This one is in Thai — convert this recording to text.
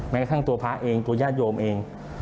แม้กระทั่งตัวพระเองตัวญาติโยมเอง